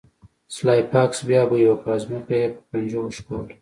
سلای فاکس بیا بوی وکړ او ځمکه یې په پنجو وښکوله